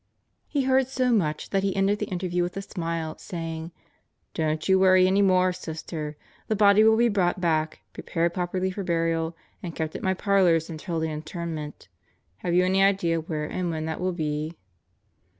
He heard so much that he ended the interview with a smile, saying: "Don't you worry any more, Sister. The body will be brought back, prepared properly for burial, and kept at my parlors until the interment. Have you any idea where and when that will be?"